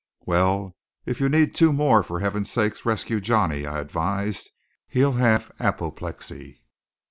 "Well, if you need two more, for heaven's sake rescue Johnny," I advised. "He'll have apoplexy."